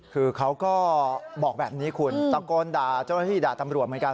คือเขาก็บอกแบบนี้คุณตะโกนด่าเจ้าหน้าที่ด่าตำรวจเหมือนกัน